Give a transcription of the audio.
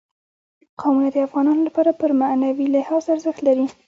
قومونه د افغانانو لپاره په معنوي لحاظ ارزښت لري.